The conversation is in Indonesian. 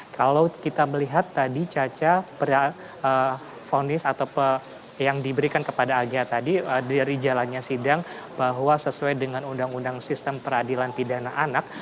kalau kita melihat tadi caca vonis atau yang diberikan kepada agh tadi dari jalannya sidang bahwa sesuai dengan undang undang sistem peradilan pidana anak